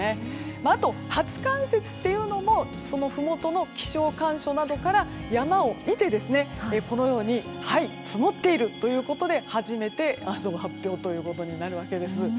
あと、初冠雪というのもふもとの気象所などから山を見て積もっているということで初めて発表となるわけです。